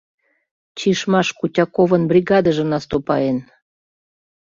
Чишмаш Кутяковын бригадыже наступаен.